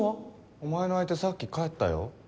お前の相手さっき帰ったよ。